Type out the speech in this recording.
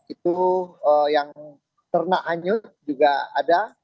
itu yang ternak hanyut juga ada